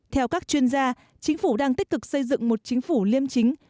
theo các chuyên gia chính phủ đang tích cực xây dựng một chính phủ liêm chính